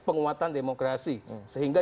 penguatan demokrasi sehingga